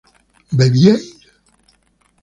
¿bebíais?